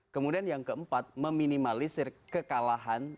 kemudian yang keempat meminimalisir kekalahan